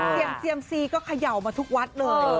เตรียมเซียมซีก็เขย่อมาทุกวัดเลย